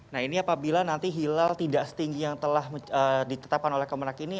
nah ini apabila nanti hilal tidak setinggi yang telah ditetapkan oleh kemenang ini